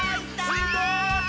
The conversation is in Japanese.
すごい。